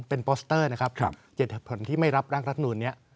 เป็นโปสเตอร์นะครับ๗เหตุผลที่ไม่รับร่างรัฐนูลนี้